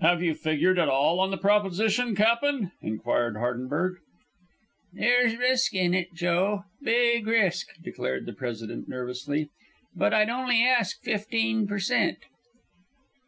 "Have you figured at all on the proposition, Cap'n?" inquired Hardenberg. "There's risk in it, Joe; big risk," declared the President nervously. "But I'd only ask fifteen per cent."